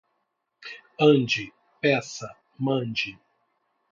Ande, peça, mande.